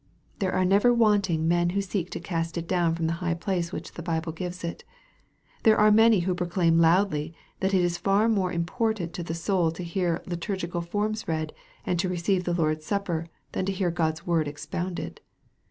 There are never wanting men who seek to oast it down from the high place which the Bible gives it. There are many who proclaim loudly that it is of far more importance to the soul to hear litur gical forms read, and to receive the Lord's Supper, than tc hear God's word expounded.